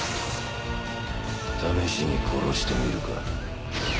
試しに殺してみるか。